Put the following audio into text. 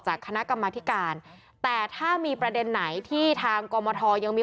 คณะกรรมธิการแต่ถ้ามีประเด็นไหนที่ทางกรมทยังมี